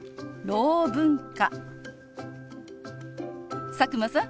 ろう文化。